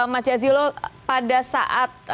mas jasilo pada saat